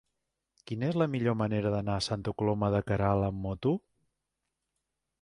Quina és la millor manera d'anar a Santa Coloma de Queralt amb moto?